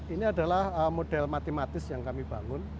ini adalah model matematis yang kami bangun